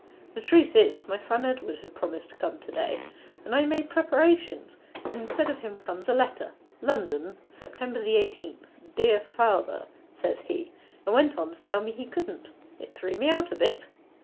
'The truth is, my son Edward had promised to come to day, and I made preparations; but instead of him comes a letter: "London, September the eighteenth, Dear Father," says he, and went on to tell me he couldn't. It threw me out a bit.